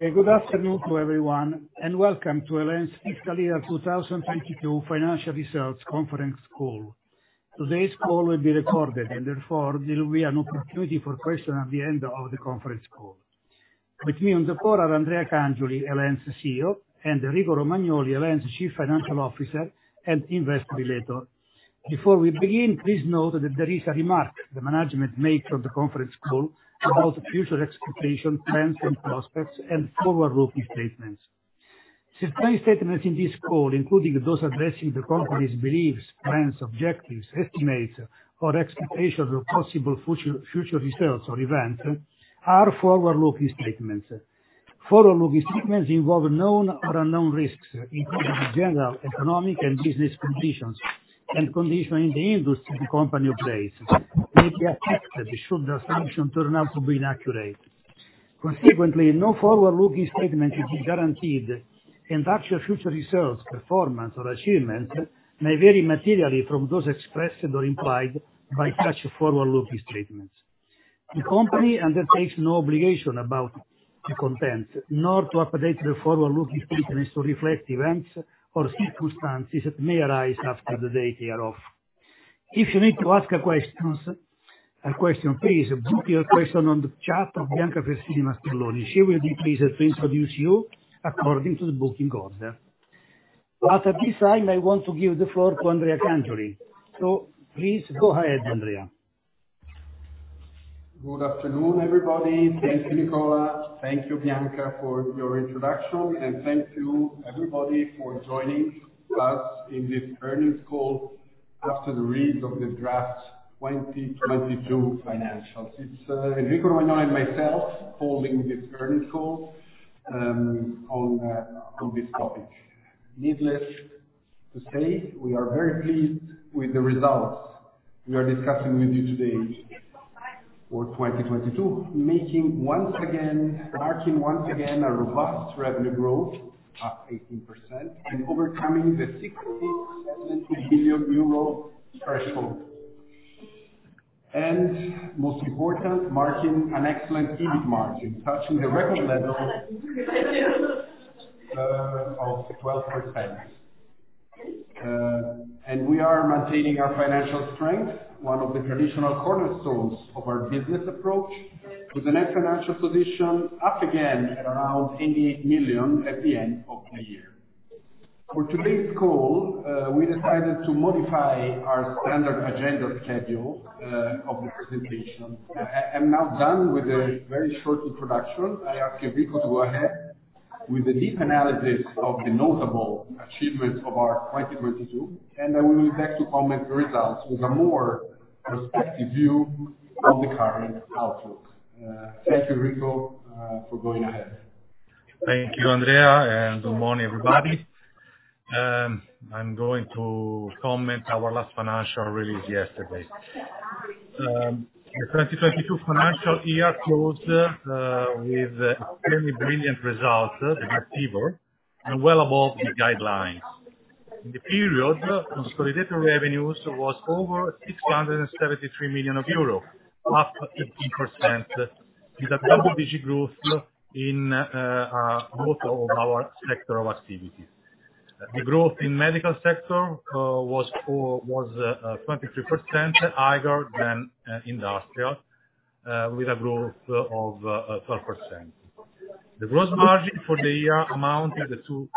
Hey, good afternoon to everyone, and welcome to El.En.'s Fiscal Year 2022 Financial Results Conference Call. Today's call will be recorded. Therefore, there will be an opportunity for question at the end of the conference call. With me on the call are Andrea Cangioli, El.En. CEO, and Enrico Romagnoli, El.En.'s Chief Financial Officer and Investor Relator. Before we begin, please note that there is a remark the management made on the conference call about future expectations, plans and prospects, and forward-looking statements. Certain statements in this call, including those addressing the company's beliefs, plans, objectives, estimates, or expectations of possible future results or events are forward-looking statements. Forward-looking statements involve known or unknown risks, including the general economic and business conditions and conditions in the industry the company operates, may be affected should assumptions turn out to be inaccurate. Consequently, no forward-looking statement is guaranteed. Actual future results, performance or achievements may vary materially from those expressed or implied by such forward-looking statements. The company undertakes no obligation about the content, nor to update the forward-looking statements to reflect events or circumstances that may arise after the date hereof. If you need to ask a question, please book your question on the chat of Bianca She will be pleased to introduce you according to the booking order. At this time, I want to give the floor to Andrea Cangioli. Please go ahead, Andrea. Good afternoon, everybody. Thank you, Nicola. Thank you, Bianca, for your introduction, and thank you everybody for joining us in this earnings call after the read of the draft 2022 financials. It's Enrico Romagnoli and myself holding this earnings call on this topic. Needless to say, we are very pleased with the results we are discussing with you today for 2022, marking once again a robust revenue growth up 18% and overcoming the 67 million euro threshold. Most important, marking an excellent EBIT margin, touching the record level of 12%. We are maintaining our financial strength, one of the traditional cornerstones of our business approach, with a net financial position up again at around 88 million at the end of the year. For today's call, we decided to modify our standard agenda schedule of the presentation. I am now done with a very short introduction. I ask Enrico to go ahead with a deep analysis of the notable achievements of our 2022, and I will be back to comment the results with a more prospective view of the current outlook. Thank you, Enrico, for going ahead. Thank you, Andrea, good morning, everybody. I'm going to comment our last financial release yesterday. The 2022 financial year closed with extremely brilliant results as ever and well above the guidelines. In the period, consolidated revenues was over 673 million euro, up 18% with a double-digit growth in both of our sector of activities. The growth in medical sector was 23% higher than industrial, with a growth of 12%. The gross margin for the year amounted to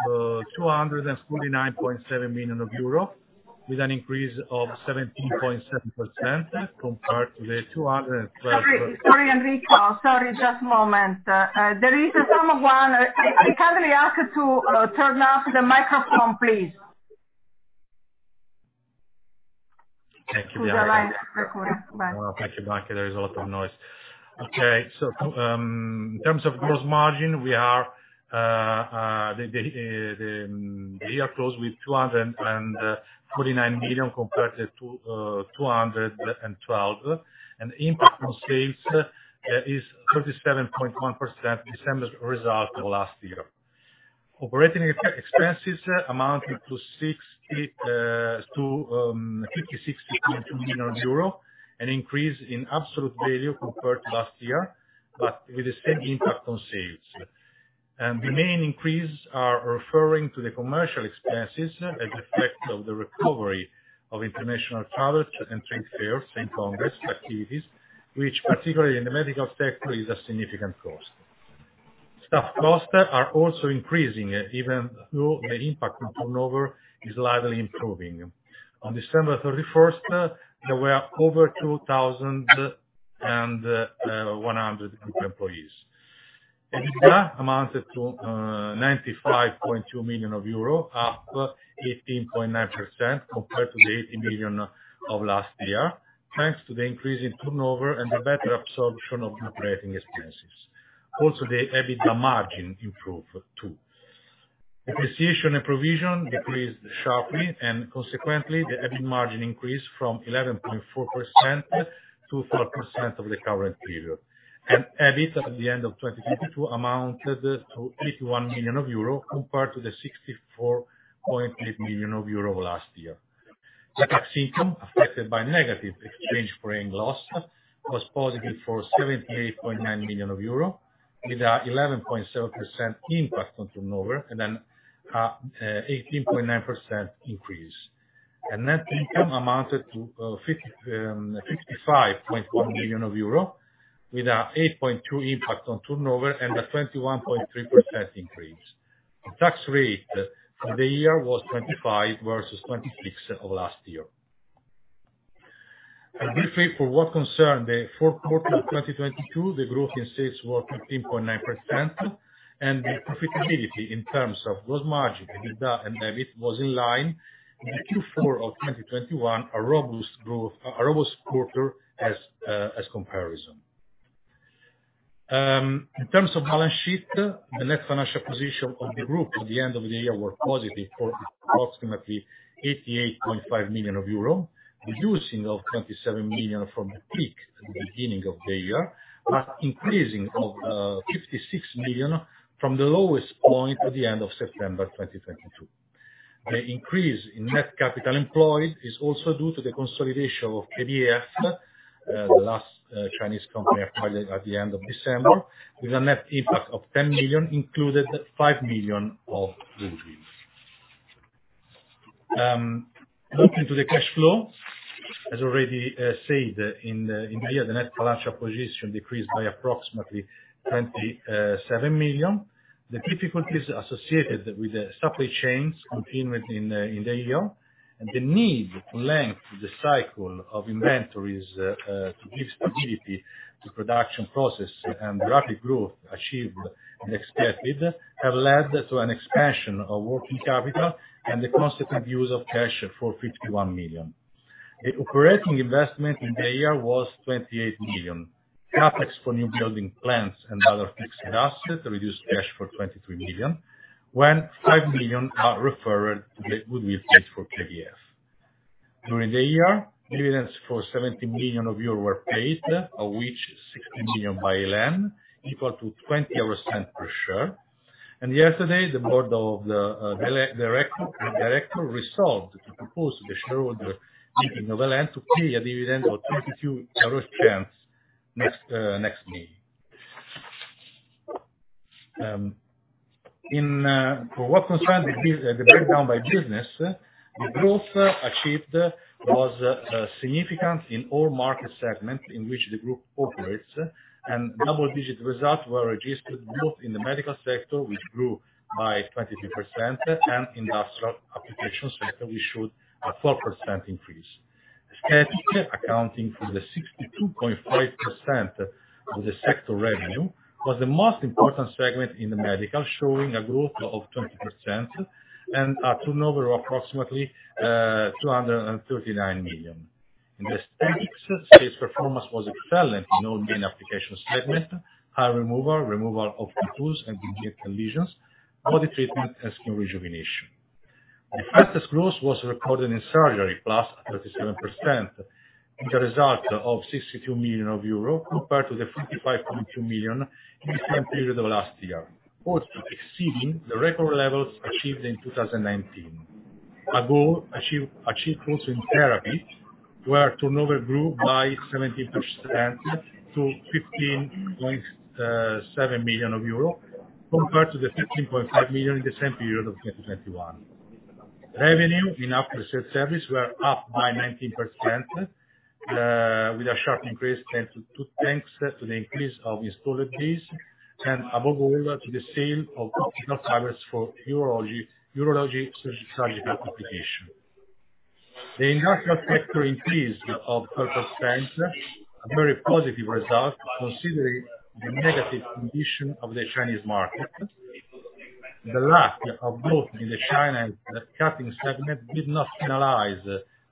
249.7 million euro, with an increase of 17.7% compared to the 212 Sorry, sorry, Enrico. Sorry, just a moment. There is someone. I kindly ask to turn off the microphone, please. Thank you, Bianca. With the line recording. Bye. Thank you, Bianca. There is a lot of noise. In terms of gross margin, the year closed with 249 million compared to 212 million. The impact on sales is 37.1%, the same as result of last year. Operating expenses amounting to 56.2 million euro, an increase in absolute value compared to last year, but with the same impact on sales. The main increases are referring to the commercial expenses as a effect of the recovery of international travel and trade fairs and congress activities, which particularly in the medical sector, is a significant cost. Staff costs are also increasing, even though the impact on turnover is slightly improving. On December 31st, there were over 2,100 group employees. EBITDA amounted to 95.2 million euro, up 18.9% compared to 80 million last year, thanks to the increase in turnover and the better absorption of operating expenses. Also, the EBITDA margin improved too. Depreciation and provision decreased sharply, consequently, the EBIT margin increased from 11.4% to 12% of the current period. EBIT at the end of 2022 amounted to 81 million euro, compared to 64.8 million euro last year. The tax income affected by negative exchange foreign loss was positive for 78.9 million euro, with an 11.0% impact on turnover and then 18.9% increase. The net income amounted to 65.1 million euro, with a 8.2 impact on turnover and a 21.3% increase. The tax rate for the year was 25 versus 26 of last year. Briefly, for what concern the fourth quarter of 2022, the growth in sales were 13.9%, and the profitability in terms of gross margin, EBITDA and EBIT was in line with the Q4 of 2021, a robust quarter as comparison. In terms of balance sheet, the net financial position of the group at the end of the year were positive for approximately 88.5 million euro, reducing of 27 million from the peak at the beginning of the year, but increasing of 56 million from the lowest point at the end of September 2022. The increase in net capital employed is also due to the consolidation of KDF, the last Chinese company acquired at the end of December, with a net impact of 10 million included 5 million of goodwill. Looking to the cash flow, as already said, in the year, the net financial position decreased by approximately 27 million. The difficulties associated with the supply chains continued in the year, and the need to length the cycle of inventories to give stability to production process and the rapid growth achieved and expected, have led to an expansion of working capital and the consequent use of cash for 51 million. The operating investment in the year was 28 million. CapEx for new building plants and other fixed assets reduced cash for 23 million, when 5 million are referred to the goodwill paid for KDF. During the year, dividends for 17 million euro were paid, of which 16 million by El.En., equal to 0.20 per share. Yesterday, the board of the director resolved to propose to the shareholder meeting of El.En. to pay a dividend of 0.22 euros next May. In for what concern the breakdown by business, the growth achieved was significant in all market segments in which the group operates. Double-digit results were registered both in the medical sector, which grew by 22%, and industrial applications sector, which showed a 4% increase. Aesthetic, accounting for the 62.5% of the sector revenue, was the most important segment in the medical, showing a growth of 20% and a turnover of approximately 239 million. In aesthetics, its performance was excellent in all main application segment: hair removal of tattoos and pigment lesions, body treatment and skin rejuvenation. The fastest growth was recorded in surgery, +37%, with a result of 62 million euro compared to the 55.2 million in the same period of last year, also exceeding the record levels achieved in 2019. A growth achieved also in therapy, where turnover grew by 17% to 15.7 million euro compared to the 15.5 million in the same period of 2021. Revenue in after sales service were up by 19% with a sharp increase thanks to the increase of installed base and, above all, to the sale of optional softwares for urology surgical application. The industrial sector increased of 4%, a very positive result considering the negative condition of the Chinese market. The lack of growth in the China laser cutting segment did not penalize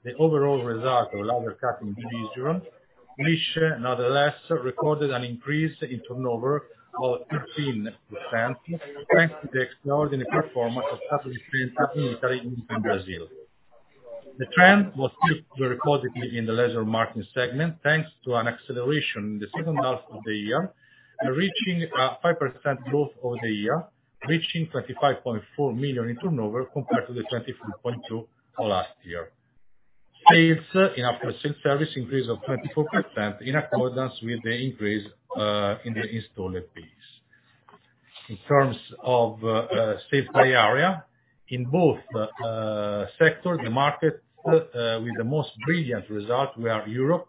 the overall result of laser cutting division, which nonetheless recorded an increase in turnover of 13%, thanks to the extraordinary performance of satellite plants in Italy and Brazil. The trend was still very positively in the laser marking segment, thanks to an acceleration in the second half of the year, reaching a 5% growth over the year, reaching 25.4 million in turnover compared to the 23.2 of last year. Sales in after sales service increased of 24% in accordance with the increase in the installed base. In terms of sales by area, in both sector, the market with the most brilliant result were Europe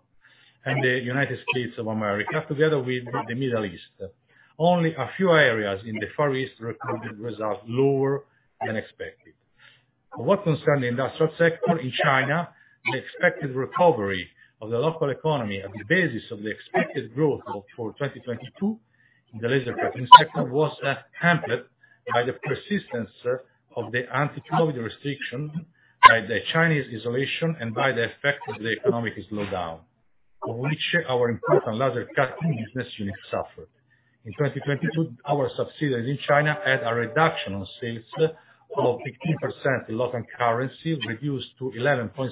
and the United States of America, together with the Middle East. Only a few areas in the Far East recorded results lower than expected. For what concern the industrial sector in China, the expected recovery of the local economy and the basis of the expected growth for 2022 in the laser cutting sector was hampered by the persistence of the anti-COVID restriction, by the Chinese isolation, and by the effect of the economic slowdown, of which our important laser cutting business unit suffered. In 2022, our subsidiaries in China had a reduction on sales of 18% in local currency, reduced to 11.7%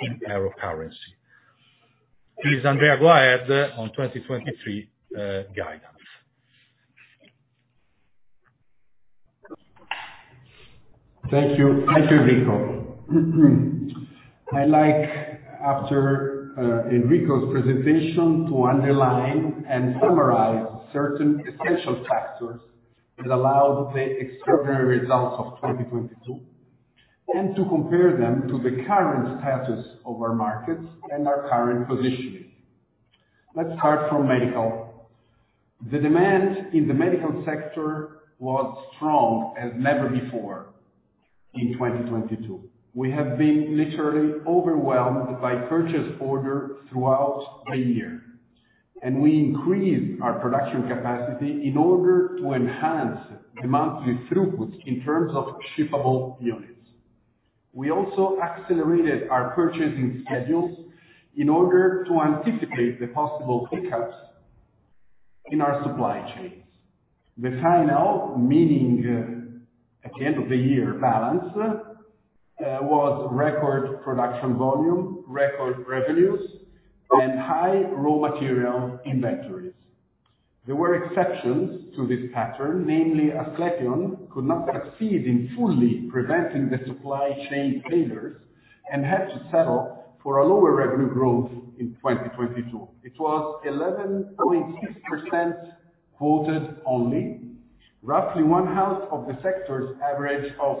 in EUR currency. Please, Andrea, go ahead on 2023 guidance. Thank you. Thank you, Enrico. I'd like, after Enrico's presentation, to underline and summarize certain essential factors that allowed the extraordinary results of 2022, and to compare them to the current status of our markets and our current positioning. Let's start from medical. The demand in the medical sector was strong as never before in 2022. We have been literally overwhelmed by purchase order throughout the year, and we increased our production capacity in order to enhance the monthly throughput in terms of shippable units. We also accelerated our purchasing schedules in order to anticipate the possible hiccups in our supply chains. The final, meaning, at the end of the year balance, was record production volume, record revenues, and high raw material inventories. There were exceptions to this pattern, namely Asclepion could not succeed in fully preventing the supply chain failures and had to settle for a lower revenue growth in 2022. It was 11.6% quoted only, roughly one half of the sector's average of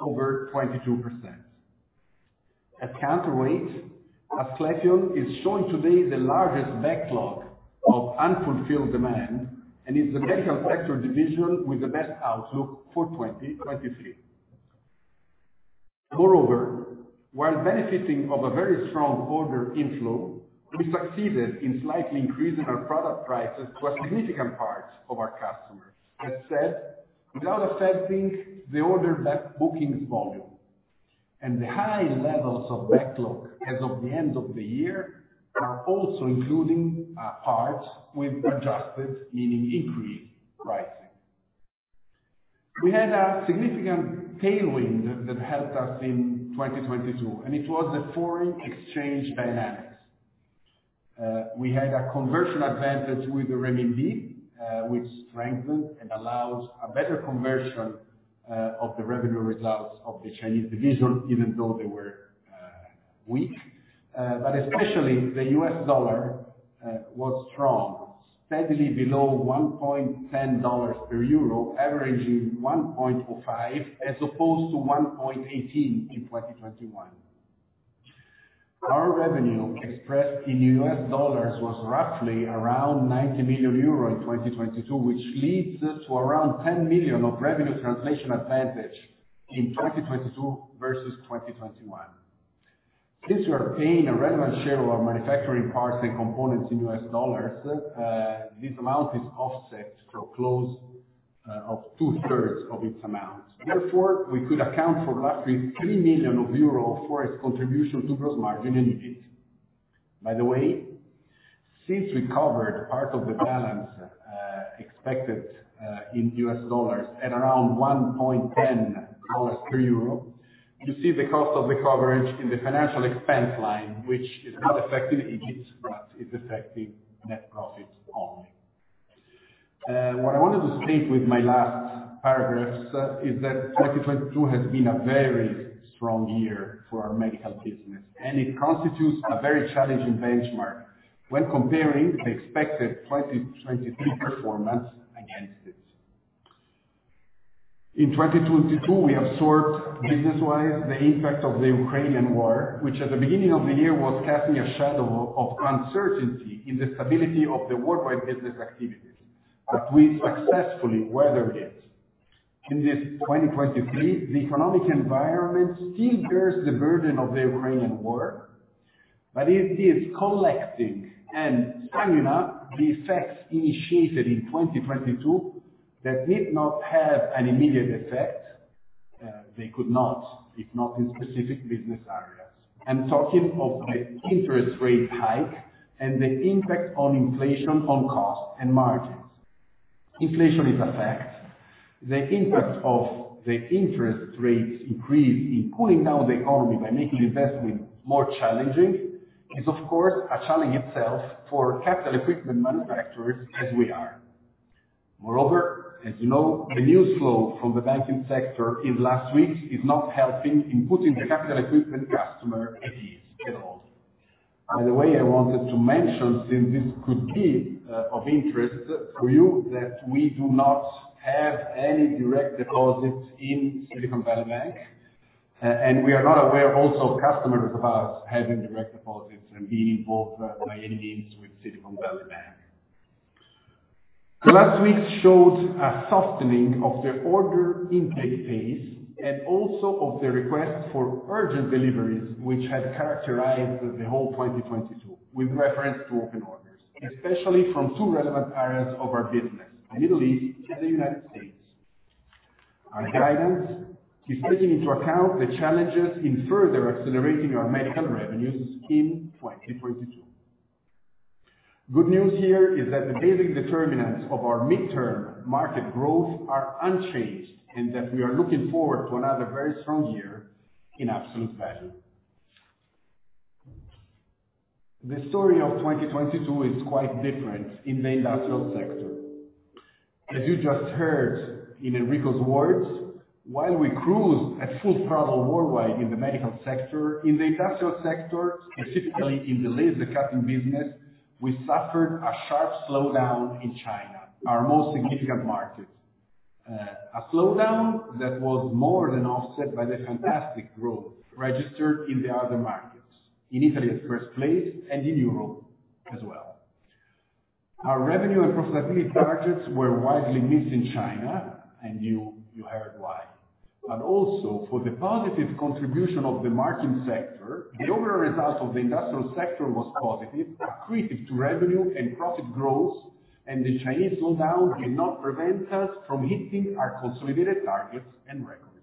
over 22%. At counterweight, Asclepion is showing today the largest backlog of unfulfilled demand, and is the medical sector division with the best outlook for 2023. Moreover, while benefiting of a very strong order inflow, we succeeded in slightly increasing our product prices to a significant part of our customers. That said, without affecting the order back bookings volume. The high levels of backlog as of the end of the year are also including parts with adjusted, meaning increased pricing. We had a significant tailwind that helped us in 2022, and it was the foreign exchange dynamics. We had a conversion advantage with the renminbi, which strengthened and allows a better conversion of the revenue results of the Chinese division, even though they were weak. Especially the U.S. dollar was strong, steadily below $1.10 per EUR, averaging $1.05, as opposed to $1.18 in 2021. Our revenue expressed in U.S. dollars was roughly around 90 million euro in 2022, which leads us to around 10 million of revenue translation advantage in 2022 versus 2021. Since we are paying a relevant share of our manufacturing parts and components in U.S. dollars, this amount is offset for close of two-thirds of its amount. Therefore, we could account for roughly 3 million of euro forex contribution to gross margin in EBIT. By the way, since we covered part of the balance, expected in U.S. dollars at around $1.10 per EUR, you see the cost of the coverage in the financial expense line, which is not affecting EBIT, but it's affecting net profits only. What I wanted to state with my last paragraphs is that 2022 has been a very strong year for our medical business, and it constitutes a very challenging benchmark when comparing the expected 2023 performance against it. In 2022, we absorbed, business-wise, the impact of the Ukrainian War, which at the beginning of the year was casting a shadow of uncertainty in the stability of the worldwide business activities, but we successfully weathered it. In 2023, the economic environment still bears the burden of the Ukrainian War. It is collecting and summing up the effects initiated in 2022 that did not have an immediate effect. They could not, if not in specific business areas. I'm talking of the interest rate hike and the impact on inflation on costs and margins. Inflation is a fact. The impact of the interest rates increase in cooling down the economy by making investment more challenging is, of course, a challenge itself for capital equipment manufacturers as we are. Moreover, as you know, the news flow from the banking sector in last weeks is not helping in putting the capital equipment customer at ease at all. I wanted to mention, since this could be of interest for you, that we do not have any direct deposits in Silicon Valley Bank, and we are not aware also of customers of ours having direct deposits and being involved by any means with Silicon Valley Bank. The last weeks showed a softening of the order intake pace and also of the request for urgent deliveries which had characterized the whole 2022 with reference to open orders, especially from two relevant areas of our business, the Middle East and the United States. Our guidance is taking into account the challenges in further accelerating our medical revenues in 2022. Good news here is that the basic determinants of our midterm market growth are unchanged, that we are looking forward to another very strong year in absolute value. The story of 2022 is quite different in the industrial sector. As you just heard in Enrico's words, while we cruise at full throttle worldwide in the medical sector, in the industrial sector, specifically in the laser cutting business, we suffered a sharp slowdown in China, our most significant market. A slowdown that was more than offset by the fantastic growth registered in the other markets, in Italy at first place and in Europe as well. Our revenue and profitability targets were widely missed in China, you heard why. Also for the positive contribution of the marking sector, the overall result of the industrial sector was positive, accretive to revenue and profit growth, and the Chinese slowdown cannot prevent us from hitting our consolidated targets and records.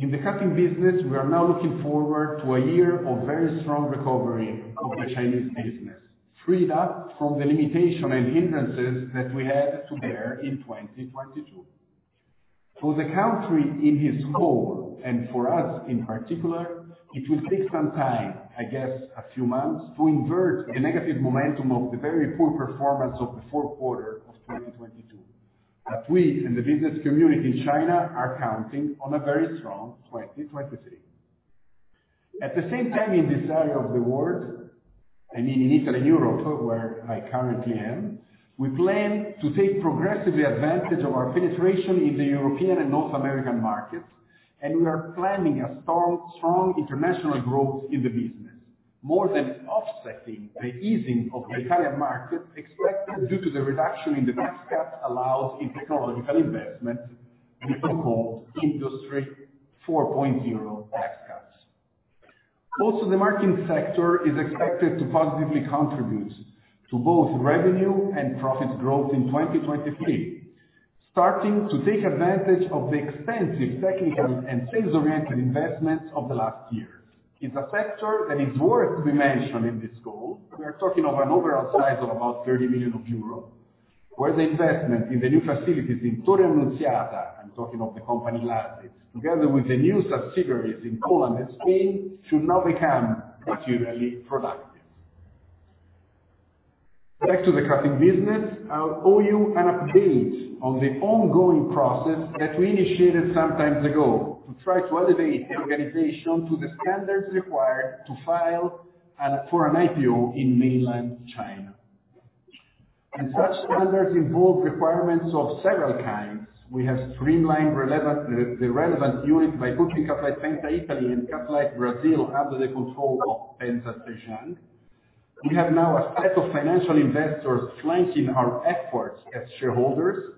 In the cutting business, we are now looking forward to a year of very strong recovery of the Chinese business, freed up from the limitation and hindrances that we had to bear in 2022. For the country in its whole, and for us in particular, it will take some time, I guess, a few months, to invert the negative momentum of the very poor performance of the fourth quarter of 2022. We in the business community in China are counting on a very strong 2023. At the same time, in this area of the world, I mean, in Italy and Europe, where I currently am, we plan to take progressively advantage of our penetration in the European and North American markets, and we are planning a strong international growth in the business, more than offsetting the easing of the Italian market expected due to the reduction in the tax cuts allowed in technological investment, the so-called Industry 4.0 tax cuts. The marking sector is expected to positively contribute to both revenue and profit growth in 2023, starting to take advantage of the extensive technical and sales-oriented investments of the last years. It's a sector that is worth to mention in this call. We are talking of an overall size of about 30 billion euros, where the investment in the new facilities in Torre Annunziata, I'm talking of the company LASIT, together with the new subsidiaries in Poland and Spain, should now become materially productive. Back to the cutting business. I owe you an update on the ongoing process that we initiated some time ago to try to elevate the organization to the standards required to file for an IPO in mainland China. Such standards involve requirements of several kinds. We have streamlined the relevant unit by putting Cutlite Penta Italy and Cutlite do Brasil under the control of Penta Laser Zhejiang. We have now a set of financial investors flanking our efforts as shareholders,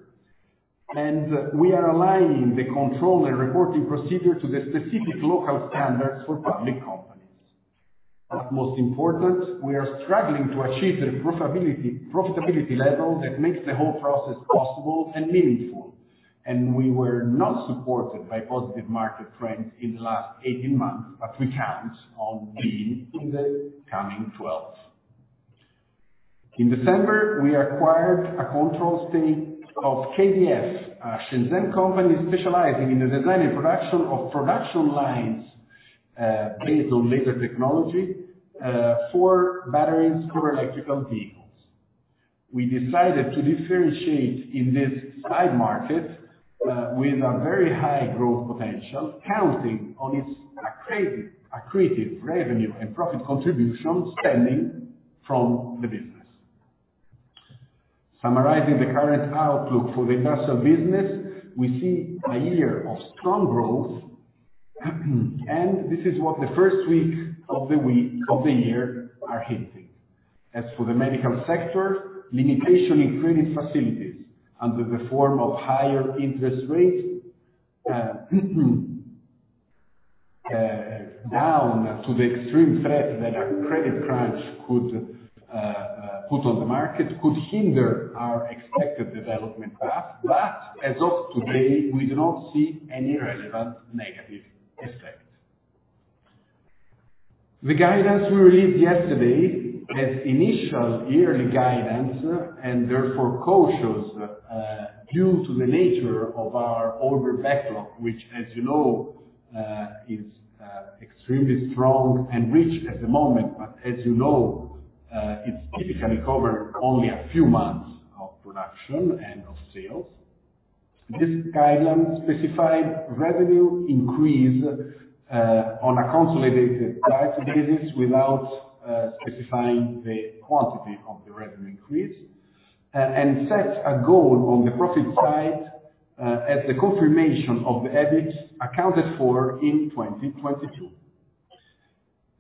and we are aligning the control and reporting procedure to the specific local standards for public companies. Most important, we are struggling to achieve the profitability level that makes the whole process possible and meaningful. We were not supported by positive market trends in the last 18 months, but we count on being in the coming 12. In December, we acquired a control stake of KDS, a Shenzhen company specializing in the design and production of production lines based on laser technology for batteries for electrical vehicles. We decided to differentiate in this side market with a very high growth potential, counting on its accretive revenue and profit contribution stemming from the business. Summarizing the current outlook for the industrial business, we see a year of strong growth. This is what the first week of the year are hinting. As for the medical sector, limitation in credit facilities under the form of higher interest rates, down to the extreme threat that a credit crunch could put on the market, could hinder our expected development path. As of today, we do not see any relevant negative effect. The guidance we released yesterday as initial yearly guidance and therefore cautious, due to the nature of our order backlog, which, as you know, is extremely strong and rich at the moment, but as you know, it typically cover only a few months of production and of sales. This guidance specified revenue increase on a consolidated type basis without specifying the quantity of the revenue increase, and set a goal on the profit side at the confirmation of the EBIT accounted for in 2022.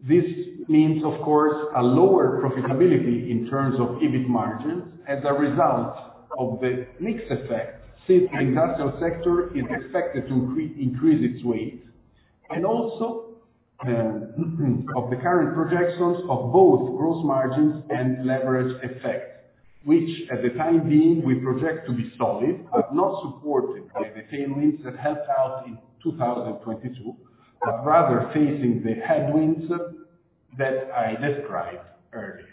This means, of course, a lower profitability in terms of EBIT margins as a result of the mix effect, since the industrial sector is expected to increase its weight. Also, of the current projections of both gross margins and leverage effect, which at the time being, we project to be solid, but not supported by the tailwinds that helped out in 2022, but rather facing the headwinds that I described earlier.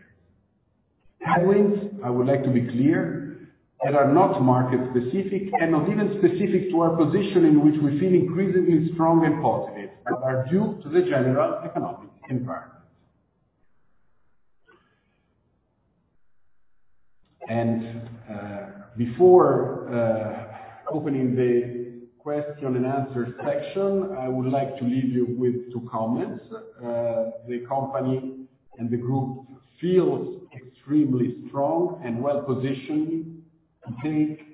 Headwinds, I would like to be clear, that are not market specific and not even specific to our position in which we feel increasingly strong and positive, but are due to the general economic environment. Before opening the question and answer section, I would like to leave you with two comments. The company and the group feels extremely strong and well-positioned to take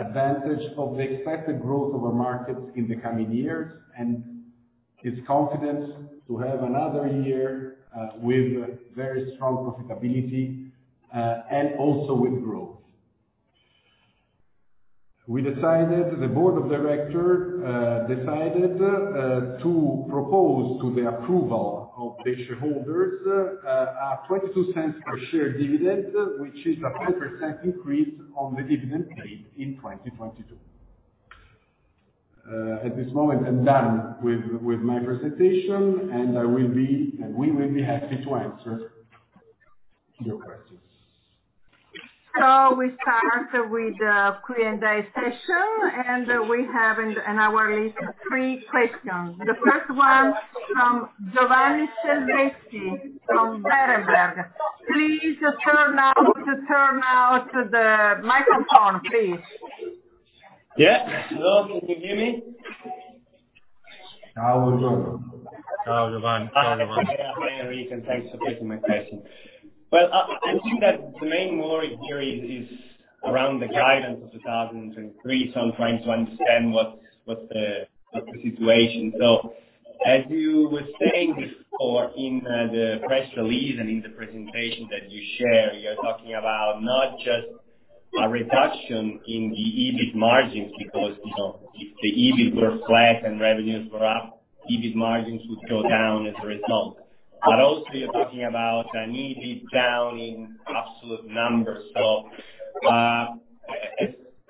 advantage of the expected growth of our markets in the coming years, and is confident to have another year with very strong profitability and also with growth. We decided, the board of directors decided to propose to the approval of the shareholders a 0.22 per share dividend, which is a 10% increase on the dividend paid in 2022. At this moment, I'm done with my presentation, and we will be happy to answer your questions. We start with the Q&A session, and we have in our list three questions. The first one from Giovanni Selvetti from Berenberg. Please turn on the microphone, please. Yeah. Hello. Can you hear me? Ciao, Giovanni. Ciao, Giovanni. Hi, Enrico. Thanks for taking my question. Well, I think that the main worry here is around the guidance of 2023, I'm trying to understand what's the situation. As you were saying before in the press release and in the presentation that you share, you're talking about not just a reduction in the EBIT margins because, you know, if the EBIT were flat and revenues were up, EBIT margins would go down as a result. Also you're talking about an EBIT down in absolute numbers.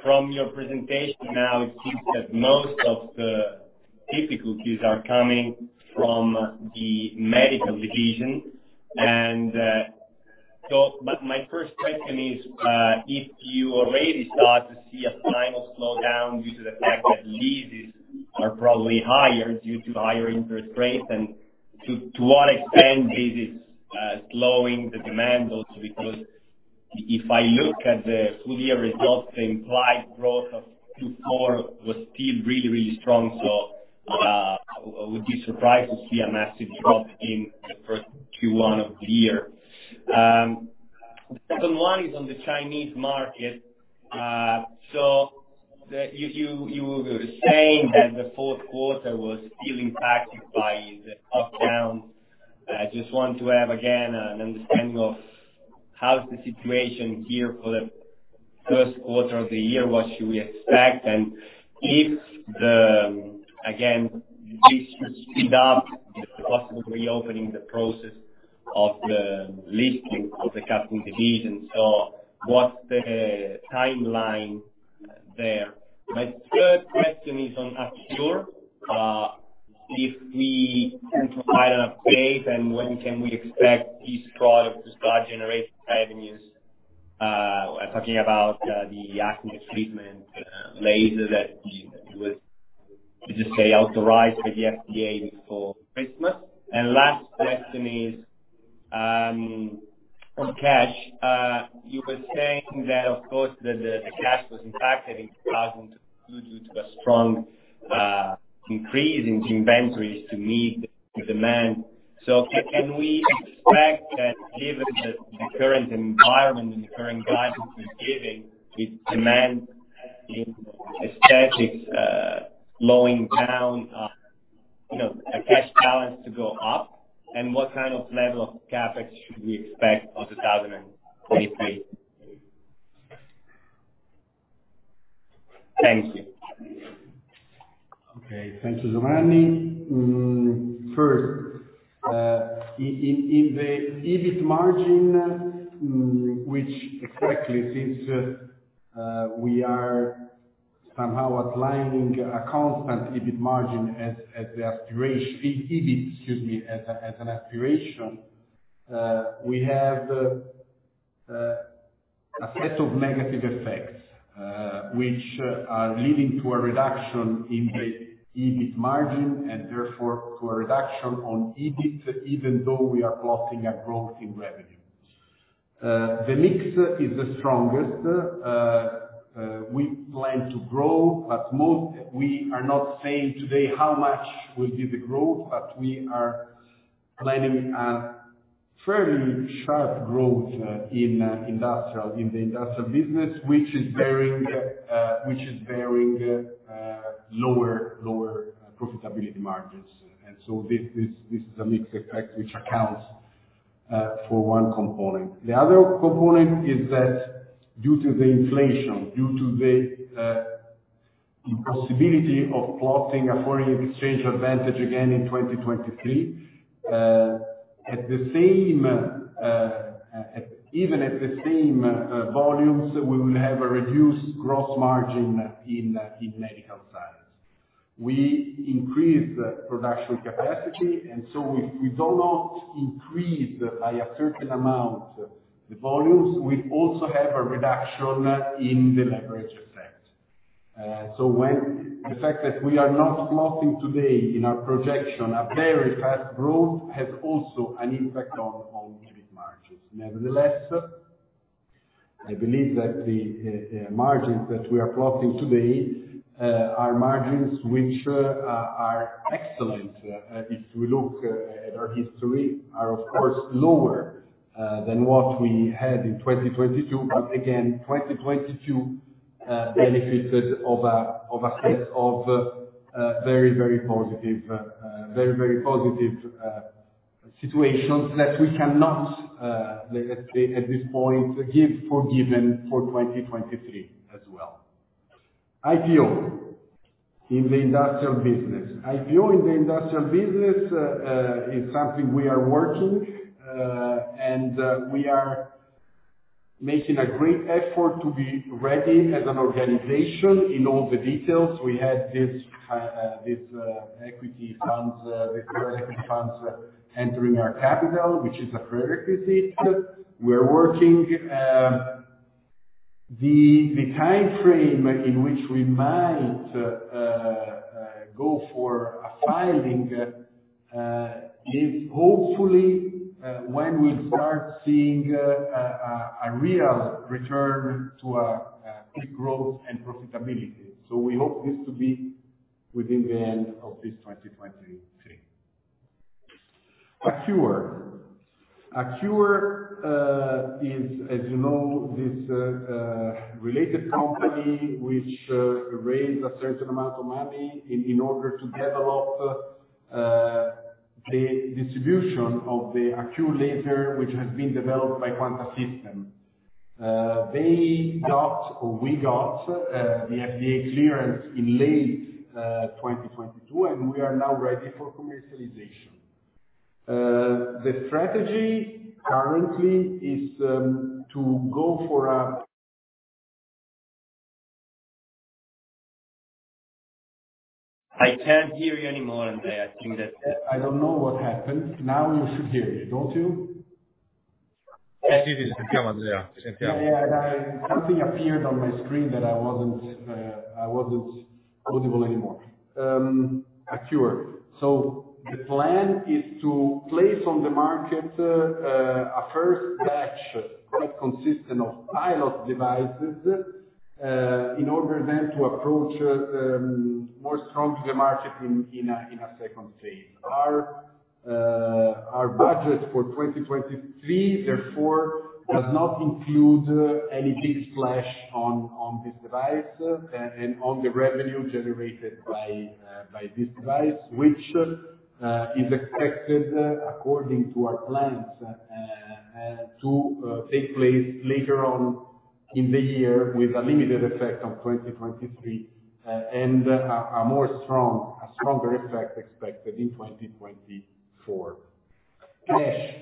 From your presentation now, it seems that most of the difficulties are coming from the medical division. My first question is if you already start to see a final slowdown due to the fact that leases are probably higher due to higher interest rates? To what extent is this slowing the demand also? Because if I look at the full year results, the implied growth of was still really, really strong. Would you surprise to see a massive drop in the first Q1 of the year? The second one is on the Chinese market. You were saying that the fourth quarter was still impacted by the lockdowns. I just want to have again an understanding of how is the situation here for the first quarter of the year, what should we expect? If the Again, this should speed up the possible reopening the process of the listing of the captain division. What's the timeline there? My third question is on Accure. If we can provide an update and when can we expect this product to start generating revenues? We're talking about the acne treatment laser that you would, you just say, authorized by the FDA before Christmas. Last question is on cash. You were saying that of course, the cash was impacted in 2022 due to a strong increase in inventories to meet the demand. Can we expect that given the current environment and the current guidance you're giving with demand in aesthetics slowing down, you know, a cash balance to go up? What kind of level of CapEx should we expect of 2023? Thank you. Okay. Thank you, Giovanni. First, in the EBIT margin, which exactly since we are somehow applying a constant EBIT margin as the aspiration, EBIT, excuse me, as an aspiration, we have a set of negative effects which are leading to a reduction in the EBIT margin and therefore to a reduction on EBIT, even though we are plotting a growth in revenue. The mix is the strongest. We plan to grow, but we are not saying today how much will be the growth, but we are planning a fairly sharp growth in industrial, in the industrial business, which is bearing lower profitability margins. This is a mixed effect which accounts for one component. The other component is that due to the inflation, due to the impossibility of plotting a foreign exchange advantage again in 2023, at the same, even at the same volumes, we will have a reduced gross margin in medical side. We increase the production capacity, if we do not increase by a certain amount the volumes, we also have a reduction in the leverage effect. When the fact that we are not plotting today in our projection, a very fast growth has also an impact on EBIT margins. Nevertheless, I believe that the margins that we are plotting today are margins which are excellent. If you look at our history, are of course lower than what we had in 2022. Again, 2022 benefited of a set of very, very positive, very, very positive situations that we cannot, let's say, at this point, give for given for 2023 as well. IPO in the industrial business. IPO in the industrial business is something we are working. And we are making a great effort to be ready as an organization in all the details. We had this equity funds, the current equity funds entering our capital, which is a prerequisite. We're working. The timeframe in which we might go for a filing is hopefully when we start seeing a real return to quick growth and profitability. We hope this to be within the end of this 2023. Accure. Accure is, as you know, this related company which raised a certain amount of money in order to develop the distribution of the Accure Laser, which has been developed by Quanta System. They got, or we got, the FDA clearance in late 2022. We are now ready for commercialization. The strategy currently is to go for. I can't hear you anymore, Andrea. I think that. I don't know what happened. Now you should hear me, don't you? Yeah, yeah. Something appeared on my screen that I wasn't, I wasn't audible anymore. Accure. The plan is to place on the market a first batch, quite consistent of pilot devices, in order then to approach more strong to the market in a second phase. Our budget for 2023, therefore, does not include anything splash on this device and on the revenue generated by this device, which is expected according to our plans to take place later on in the year with a limited effect on 2023, and a more strong, a stronger effect expected in 2024. Cash.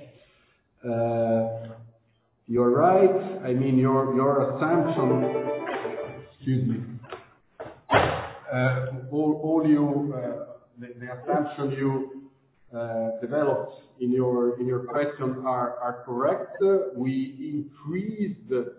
You're right. I mean, your assumption, excuse me. All you, the assumption you developed in your question are correct. We increased the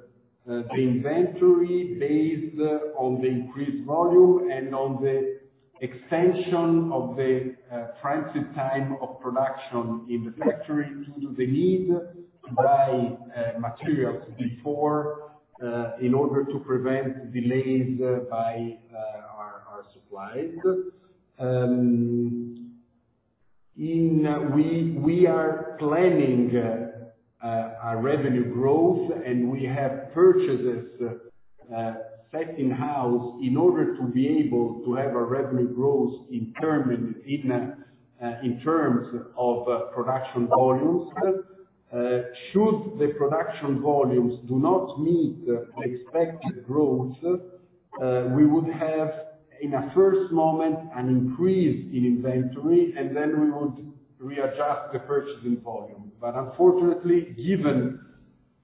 inventory based on the increased volume and on the extension of the transit time of production in the factory due to the need to buy materials before in order to prevent delays by our suppliers. We are planning a revenue growth, and we have purchases set in-house in order to be able to have a revenue growth in terms of production volumes. Should the production volumes do not meet the expected growth, we would have, in a first moment, an increase in inventory, and then we would readjust the purchasing volume. Unfortunately, given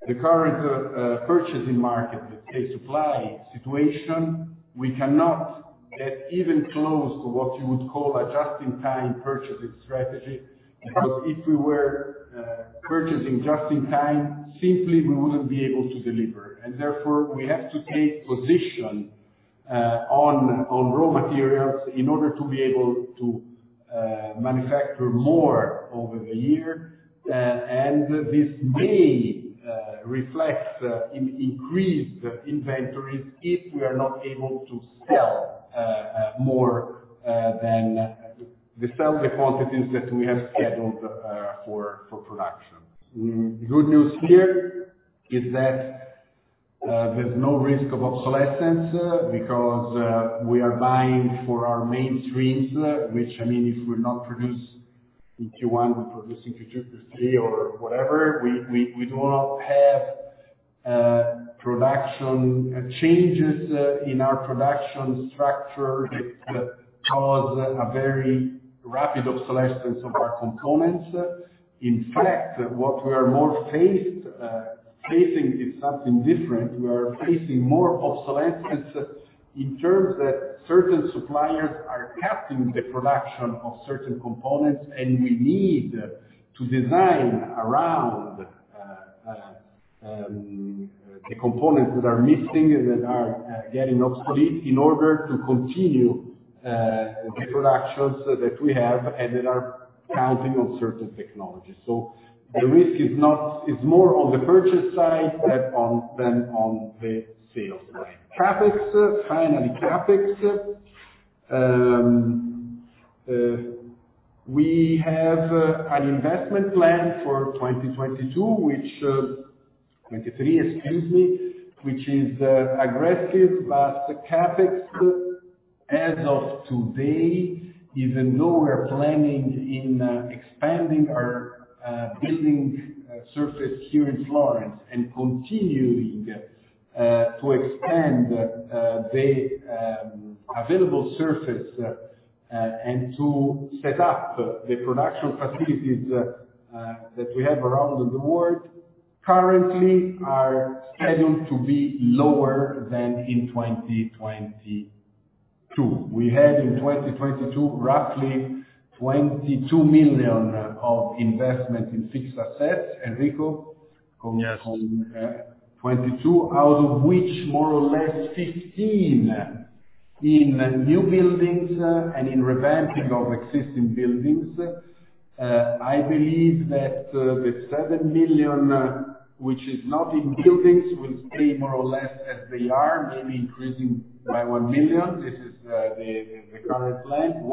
the current purchasing market, the supply situation, we cannot get even close to what you would call a just-in-time purchasing strategy. If we were purchasing just in time, simply we wouldn't be able to deliver. Therefore, we have to take position on raw materials in order to be able to manufacture more over the year. This may reflect in increased inventories if we are not able to sell more than we sell the quantities that we have scheduled for production. The good news here is that there's no risk of obsolescence because we are buying for our mainstreams, which, I mean, if we not produce in Q1, we produce in Q2, Q3 or whatever. We do not have production changes in our production structure that cause a very rapid obsolescence of our components. In fact, what we are more faced, facing is something different. We are facing more obsolescence in terms that certain suppliers are cutting the production of certain components, and we need to design around the components that are missing and that are getting obsolete in order to continue the productions that we have and that are counting on certain technologies. The risk is not more on the purchase side than on the sales side. CapEx. Finally, CapEx. We have an investment plan for 2022, which 2023, excuse me, which is aggressive. The CapEx, as of today, even though we're planning in expanding our building surface here in Florence and continuing to expand the available surface and to set up the production facilities that we have around the world, currently are scheduled to be lower than in 2022. We had in 2022, roughly 22 million of investment in fixed assets. Enrico? Yes. 22 million, out of which more or less 15 million in new buildings and in revamping of existing buildings. I believe that the 7 million, which is not in buildings, will stay more or less as they are, maybe increasing by 1 million. This is the current plan.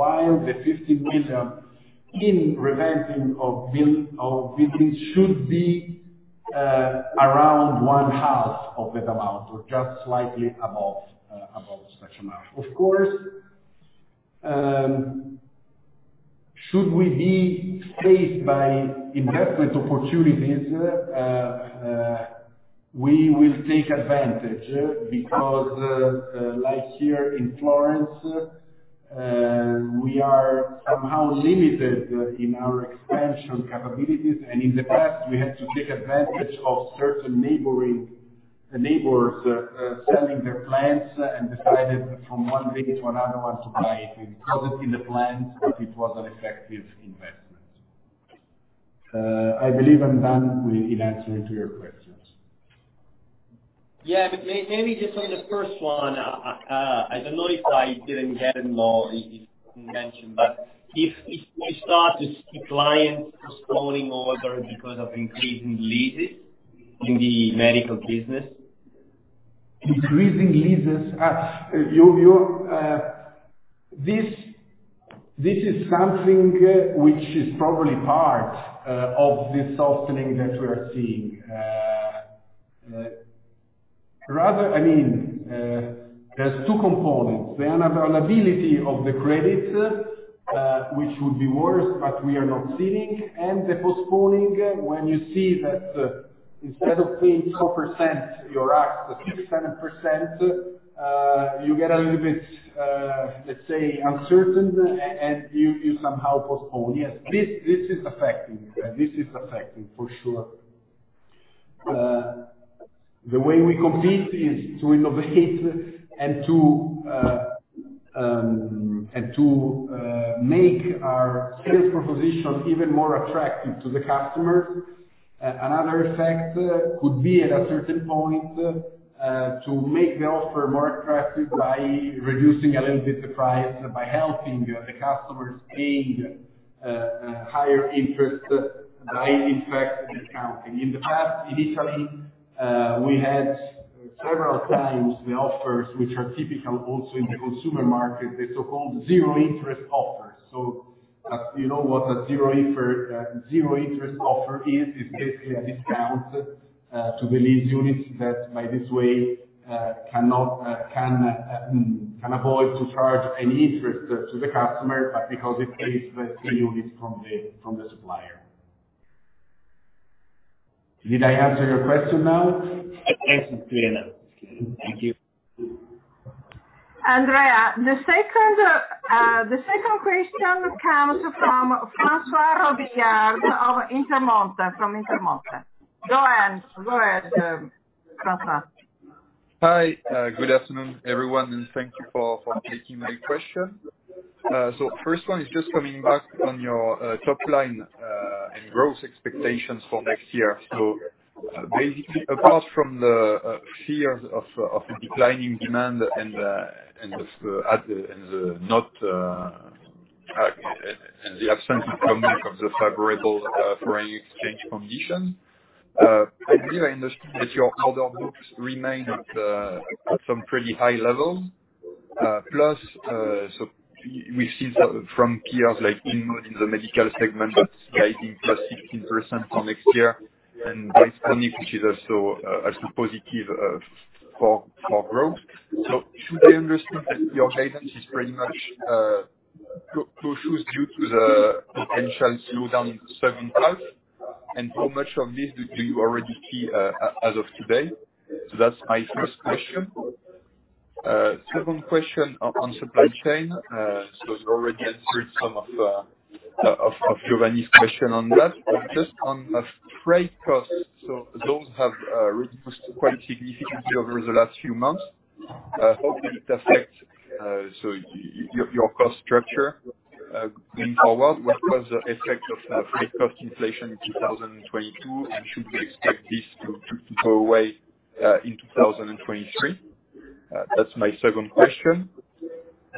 The 15 million in revamping of buildings should be around one half of that amount or just slightly above such amount. Of course, should we be faced by investment opportunities, we will take advantage. Like here in Florence, we are somehow limited in our expansion capabilities. In the past, we had to take advantage of certain neighbors selling their plants and decided from one day to another one to buy it. It wasn't in the plans, but it was an effective investment. I believe I'm done with answering to your questions. Yeah. Maybe just on the first one. I don't know if I didn't get it or if you mentioned, but if we start to see clients postponing orders because of increasing leases in the medical business. Increasing leases. This is something which is probably part of this softening that we are seeing. I mean, there's two components. The unavailability of the credits, which would be worse, but we are not seeing. The postponing, when you see that instead of paying so percent, you're asked 57%, you get a little bit, let's say uncertain, and you somehow postpone. Yes, this is affecting. This is affecting for sure. The way we compete is to innovate and to make our sales proposition even more attractive to the customers. Another effect could be at a certain point to make the offer more attractive by reducing a little bit the price, by helping the customers paying higher interest by in fact discounting. In the past, in Italy, we had several times the offers which are typical also in the consumer market, the so-called zero interest offers. You know what a zero interest offer is. It's basically a discount to the lease units that by this way, can avoid to charge any interest to the customer, but because it pays the units from the, from the supplier. Did I answer your question now? Yes, it's clear now. Thank you. Andrea, the second, the second question comes from François Robillard of Intermonte, from Intermonte. Go ahead, François. Hi. Good afternoon, everyone, and thank you for taking my question. First one is just coming back on your top line and growth expectations for next year. Basically, apart from the fears of the declining demand and the absence of comeback of the favorable foreign exchange condition, I believe, I understand that your order books remain at some pretty high level. Plus, we've seen some from peers like Inmode in the medical segment that's guiding +16% for next year. which is also positive for growth. Should I understand that your guidance is pretty much due to the potential slowdown in certain parts, and how much of this do you already see as of today? That's my first question. Second question on supply chain, you already answered some of Giovanni's question on that. Just on the freight costs, those have reduced quite significantly over the last few months. How did it affect your cost structure going forward? What was the effect of freight cost inflation in 2022, and should we expect this to go away in 2023? That's my second question.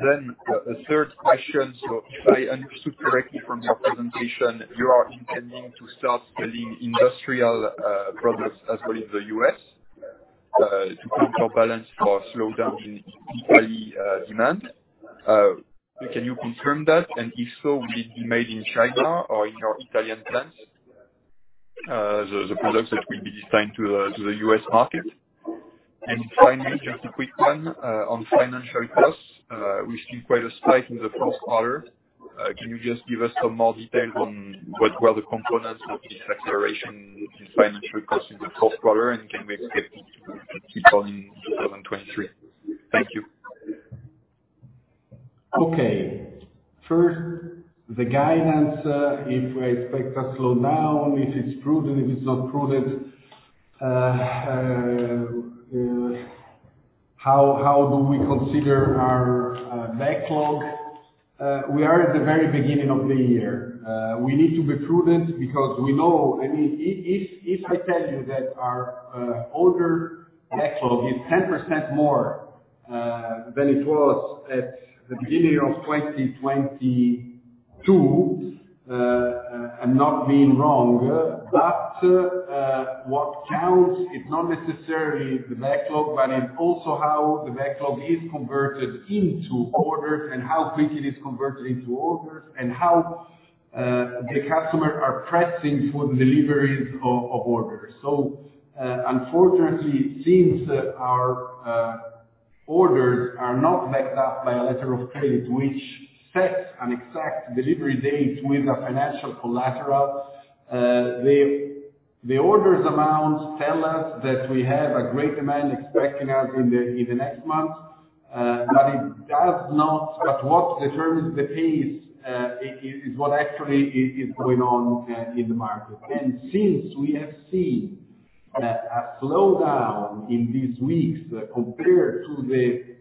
The third question, if I understood correctly from your presentation, you are intending to start selling industrial products as well in the U.S. to counterbalance for slowdown in Italy demand. Can you confirm that? If so, will it be made in China or in your Italian plants, the products that will be destined to the U.S. market? Finally, just a quick one on financial costs. We've seen quite a spike in the first quarter. Can you just give us some more details on what were the components of this acceleration in financial costs in the first quarter, and can we expect it to continue in 2023? Thank you. Okay. First, the guidance, if we expect a slowdown, if it's prudent, if it's not prudent, how do we consider our backlog. We are at the very beginning of the year. We need to be prudent because we know, I mean, if I tell you that our order backlog is 10% more than it was at the beginning of 2022, I'm not being wrong. What counts is not necessarily the backlog, but it's also how the backlog is converted into orders and how quickly it is converted into orders and how the customer are pressing for the deliveries of orders. Unfortunately, since our orders are not backed up by a letter of credit which sets an exact delivery date with a financial collateral, the orders amount tell us that we have a great demand expecting us in the next months. It does not. What determines the pace is what actually is going on in the market. Since we have seen a slowdown in these weeks compared to the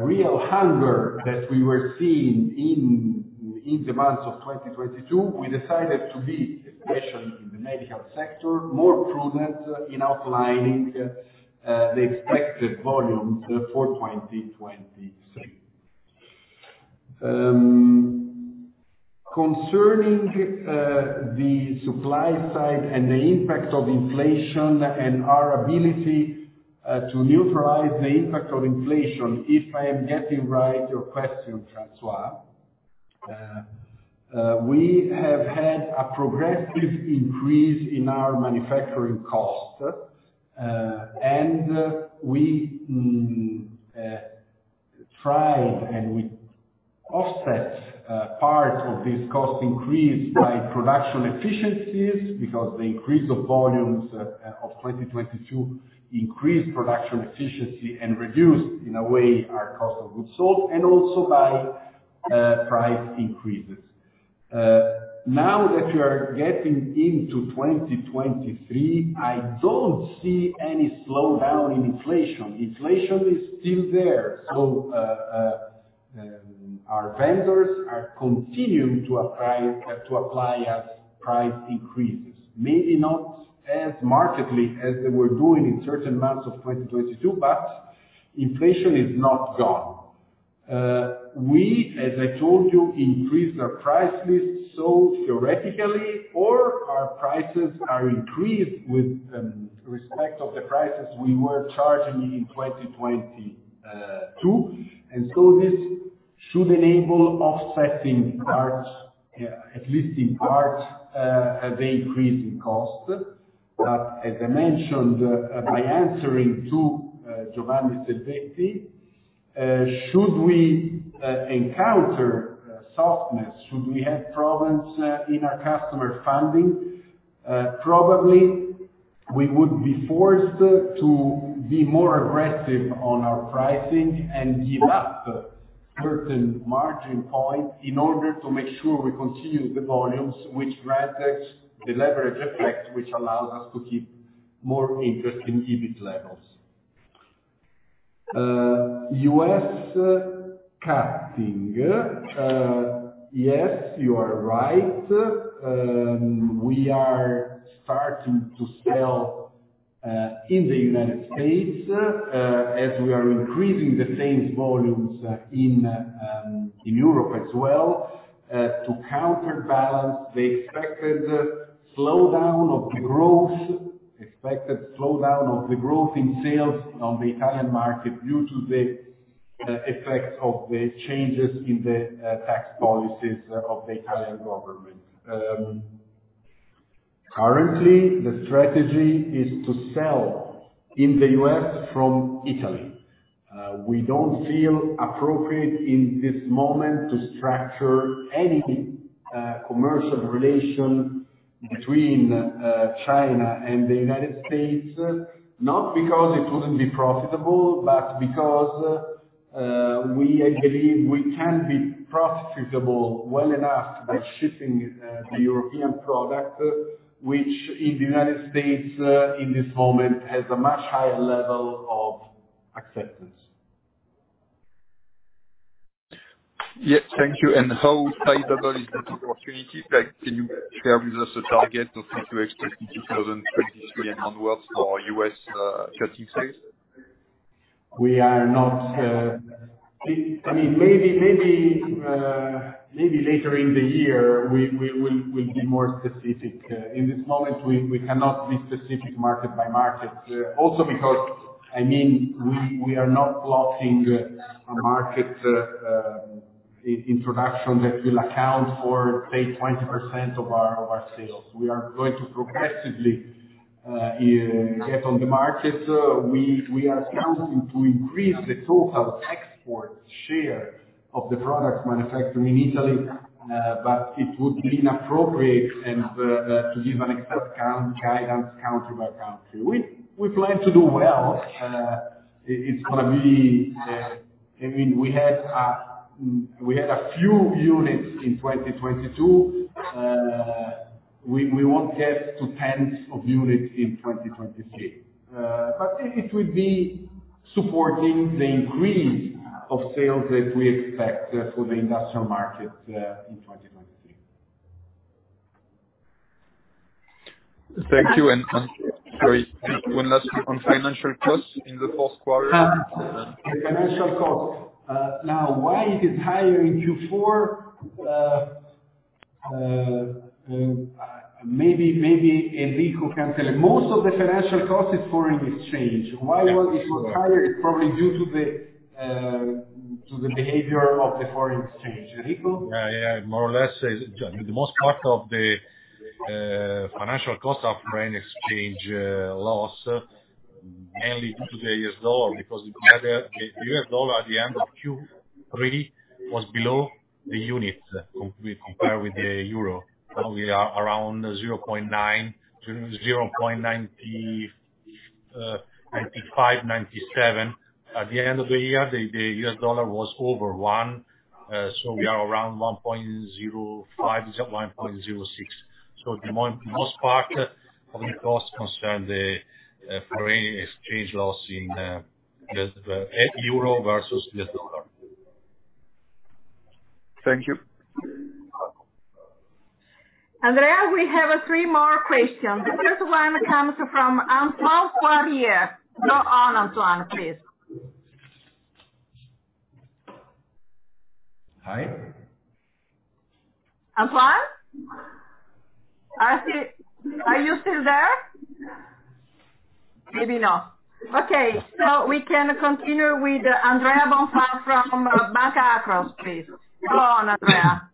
real hunger that we were seeing in the months of 2022, we decided to be, especially in the medical sector, more prudent in outlining the expected volumes for 2023. Concerning the supply side and the impact of inflation and our ability to neutralize the impact of inflation, if I am getting right your question, François, we have had a progressive increase in our manufacturing costs, and we offset part of this cost increase by production efficiencies. The increase of volumes of 2022 increased production efficiency and reduced, in a way, our cost of goods sold, and also by price increases. Now that we are getting into 2023, I don't see any slowdown in inflation. Inflation is still there. Our vendors are continuing to apply as price increases. Maybe not as markedly as they were doing in certain months of 2022, inflation is not gone. We, as I told you, increased our price list. Theoretically, all our prices are increased with respect of the prices we were charging in 2022. This should enable offsetting parts, at least in part, the increase in cost. As I mentioned, by answering to Giovanni Selvetti, should we encounter softness, should we have problems in our customer funding, probably we would be forced to be more aggressive on our pricing and give up certain margin points in order to make sure we continue the volumes which grants us the leverage effect, which allows us to keep more interesting EBIT levels. U.S. cutting. Yes, you are right. We are starting to sell in the United States as we are increasing the sales volumes in Europe as well, to counterbalance the expected slowdown of the growth in sales on the Italian market due to the effects of the changes in the tax policies of the Italian government. Currently, the strategy is to sell in the U.S. from Italy. We don't feel appropriate in this moment to structure any commercial relation between China and the United States, not because it wouldn't be profitable, but because I believe we can be profitable well enough by shipping the European product, which in the United States, in this moment, has a much higher level of acceptance. Yeah. Thank you. How sizable is that opportunity? Can you share with us a target of in 2023 onwards for U.S. cutting sales? We are not. I mean, maybe, maybe later in the year we will, we'll be more specific. In this moment, we cannot be specific market by market. Also because, I mean, we are not blocking a market introduction that will account for, say, 20% of our sales. We are going to progressively get on the market. We are counting to increase the total export share of the products manufactured in Italy, but it would be inappropriate and to give an exact count, guidance country by country. We plan to do well. It's gonna be. I mean, we had a few units in 2022. We won't get to tens of units in 2023. It will be supporting the increase of sales that we expect for the industrial market in 2023. Thank you. Sorry, one last thing on financial costs in the fourth quarter. Financial cost. Now, why it is higher in Q4? Maybe, maybe Enrico can tell you. Most of the financial cost is foreign exchange. Why it was higher is probably due to the behavior of the foreign exchange. Enrico? Yeah, yeah. More or less is the most part of the financial cost of foreign exchange loss, mainly due to the U.S. dollar, because we had the U.S. dollar at the end of Q3 was below the units compared with the euro. Now we are around 0.9-0.90, 0.95, 0.97. At the end of the year, the U.S. dollar was over one, so we are around 1.05-1.06. The most part of the costs concern the foreign exchange loss in the euro versus the dollar. Thank you. Andrea, we have three more questions. The first one comes from Antoine Fourier. Go on, Antoine, please. Hi. Antoine? Are you still there? Maybe not. Okay. We can continue with Andrea Bonfà from Banca Akros, please. Go on, Andrea.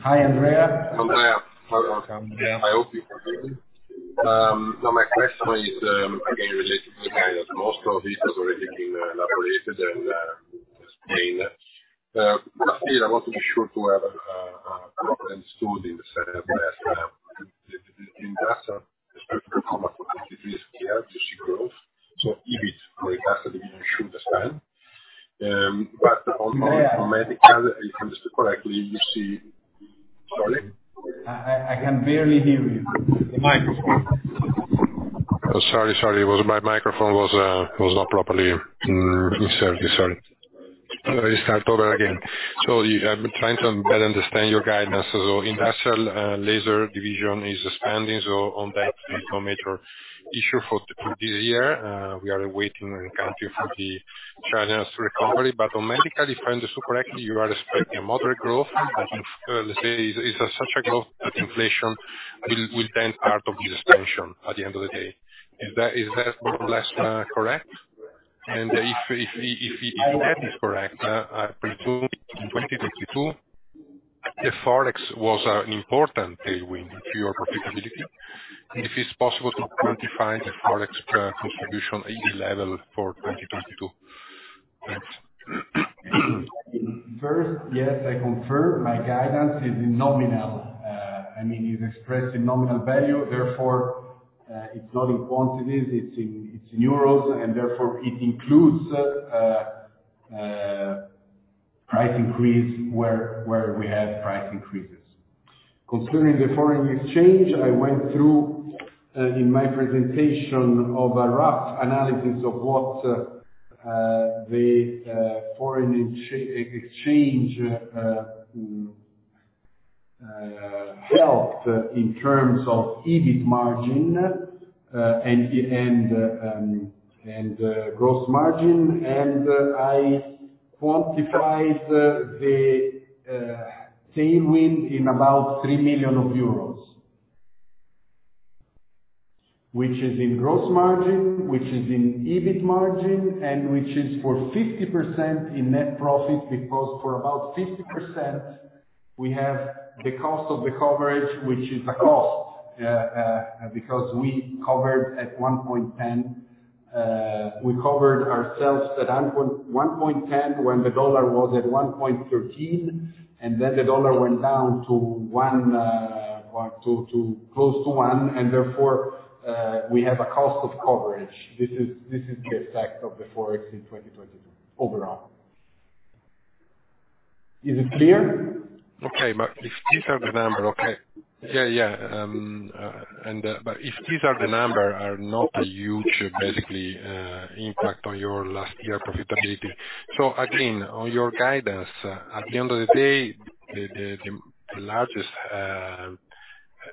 Hi, Andrea. Andrea, I hope you can hear me. My question is, again, related to the guidance. Most of it has already been elaborated and explained. Still I want to be sure to have understood in the sense that in industrial, especially in this year, you see growth, so EBIT for industrial division should expand. On, on medical, if I understood correctly, you see. Sorry? I can barely hear you. The microphone. Sorry. It was my microphone was not properly inserted. Sorry. Let me start over again. I'm trying to better understand your guidance. Industrial laser division is expanding, so on that no major issue for this year. We are waiting and counting for the Chinese recovery. On medical, if I understood correctly, you are expecting a moderate growth. I think, let's say it's such a growth that inflation will then part of the expansion at the end of the day. Is that more or less correct? If that is correct, I presume in 2022, if Forex was an important tailwind to your profitability, and if it's possible to quantify the Forex contribution level for 2022. Thanks. First, yes, I confirm my guidance is nominal. I mean it's expressed in nominal value, therefore, it's not in quantities, it's in EUR, and therefore it includes price increase where we have price increases. Concerning the foreign exchange, I went through in my presentation of a rough analysis of what the foreign exchange helped in terms of EBIT margin, and gross margin, and I quantified the tailwind in about EUR 3 million. Which is in gross margin, which is in EBIT margin, and which is for 50% in net profit. For about 50%, we have the cost of the coverage, which is a cost because we covered at 1.10. We covered ourselves at 1.10 when the dollar was at 1.13. The dollar went down to one, or to close to one. Therefore, we have a cost of coverage. This is the effect of the forex in 2022 overall. Is it clear? Okay. If these are the number, okay. Yeah, yeah. If these are the number are not a huge impact on your last year profitability. Again, on your guidance, at the end of the day, the largest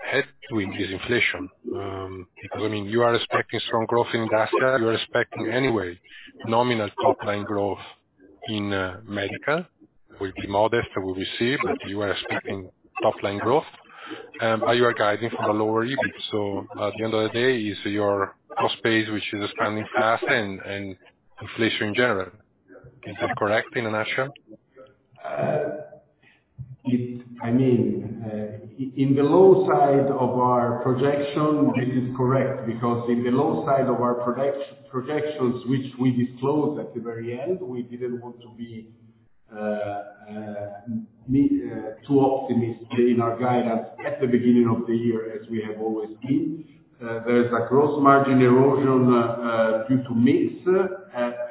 headwind is inflation. Because, I mean, you are expecting strong growth in Industrial. You are expecting anyway nominal top line growth in Medical. Will be modest, it will be seen, but you are expecting top line growth. You are guiding from a lower EBIT. At the end of the day, it's your cost base, which is expanding fast and inflation in general. Is that correct, in a nutshell? I mean, in the low side of our projection, this is correct. In the low side of our projections, which we disclosed at the very end, we didn't want to be too optimistic in our guidance at the beginning of the year, as we have always been. There's a gross margin erosion due to mix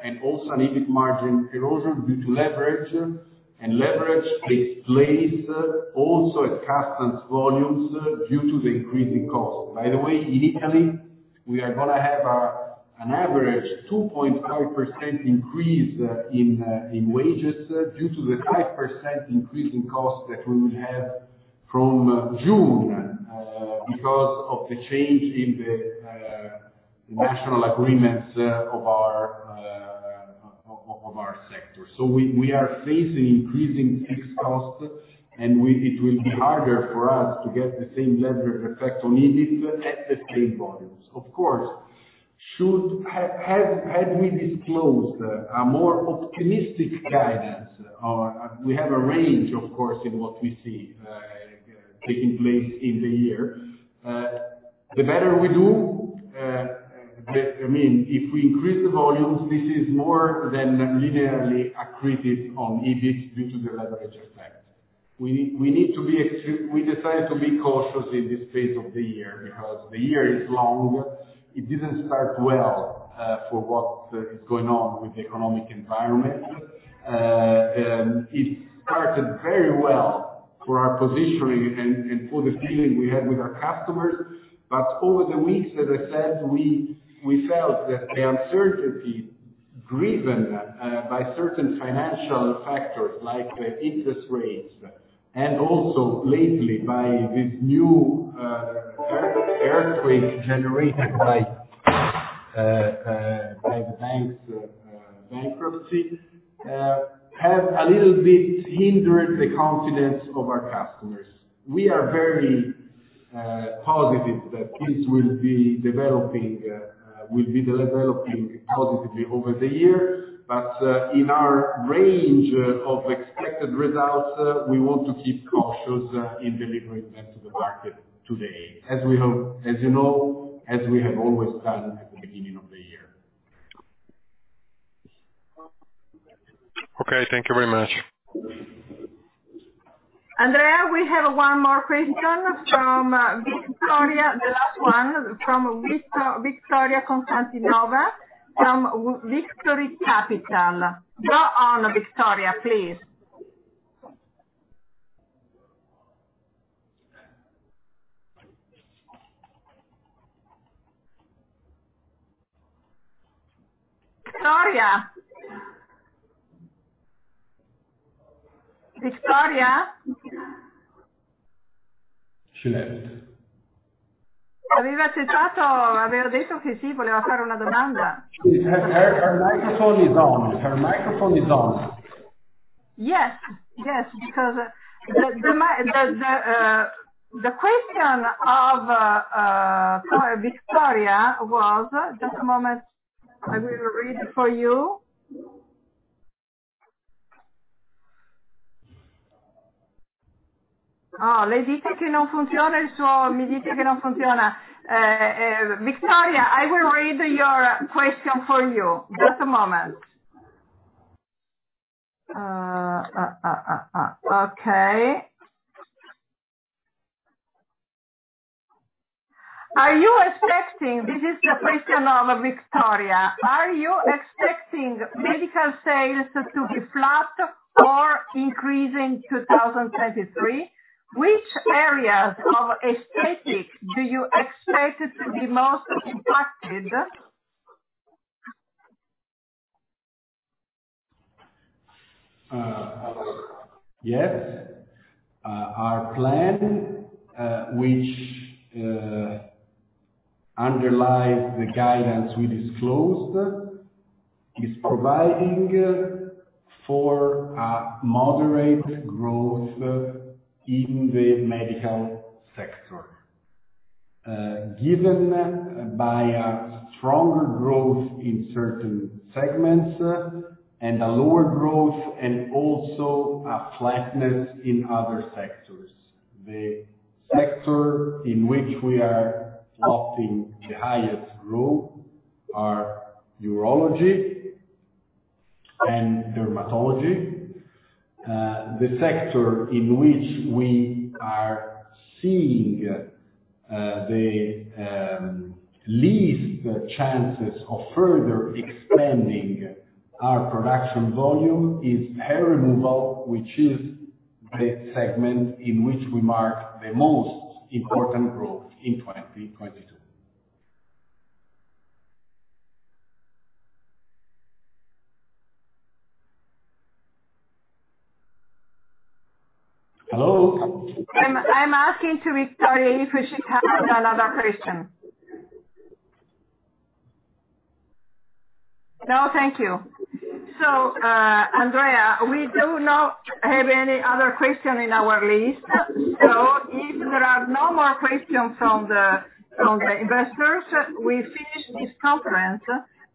and also an EBIT margin erosion due to leverage. Leverage takes place also at constant volumes due to the increasing costs. By the way, in Italy, we are gonna have an average 2.5% increase in wages due to the 5% increase in costs that we will have from June because of the change in the national agreements of our sector. We are facing increasing fixed costs, and it will be harder for us to get the same leverage effect on EBIT at the same volumes. Of course, had we disclosed a more optimistic guidance or, we have a range, of course, in what we see, taking place in the year. The better we do, I mean, if we increase the volumes, this is more than linearly accretive on EBIT due to the leverage effect. We need to be cautious in this phase of the year because the year is long. It didn't start well, for what is going on with the economic environment. It started very well for our positioning and for the feeling we had with our customers. Over the weeks, as I said, we felt that the uncertainty driven by certain financial factors like interest rates and also lately by this new earthquake generated by the banks' bankruptcy have a little bit hindered the confidence of our customers. We are very positive that this will be developing positively over the year. In our range of expected results, we want to keep cautious in delivering that to the market today, as we have, as you know, as we have always done at the beginning of the year. Okay, thank you very much. Andrea, we have one more question from Victoria. The last one from Victoria Konstantinova from Victory Capital. Go on, Victoria, please. Victoria? Victoria? She left. Her microphone is on. Her microphone is on. Yes. Because the question of Victoria was. Just a moment. I will read for you. Oh, Okay. This is the question of Victoria. Are you expecting medical sales to be flat or increase in 2023? Which areas of aesthetic do you expect to be most impacted? Yes. our plan, which underlies the guidance we disclosedIs providing for a moderate growth in the medical sector, given by a stronger growth in certain segments and a lower growth and also a flatness in other sectors. The sector in which we are noting the highest growth are urology and dermatology. The sector in which we are seeing, the least chances of further expanding our production volume is hair removal, which is the segment in which we marked the most important growth in 2022. Hello? I'm asking to Victoria if she have another question. No, thank you. Andrea, we do not have any other question in our list. If there are no more questions from the investors, we finish this conference.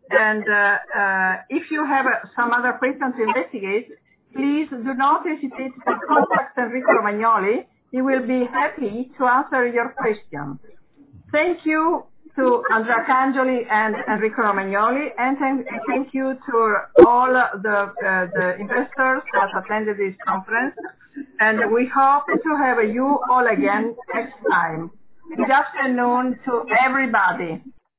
If you have some other questions to investigate, please do not hesitate to contact Enrico Romagnoli. He will be happy to answer your questions. Thank you to Andrea Cangioli and Enrico Romagnoli. Thank you to all the investors that attended this conference. We hope to have you all again next time. Good afternoon to everybody.